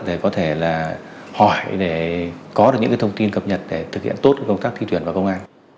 để có thể là hỏi để có được những thông tin cập nhật để thực hiện tốt công tác thi tuyển vào công an